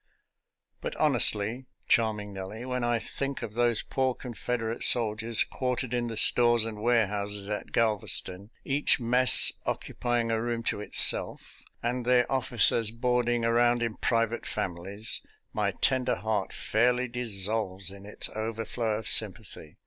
But, honestly, Charming Nellie, when I think of those poor Confederate soldiers quartered in the stores and warehouses at Galveston, each mess occupying a room to itself, and their offi cers boarding around in private families, my ten der heart fairly dissolves in its overflow of sym pathy.